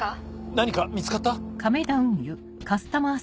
何か見つかった？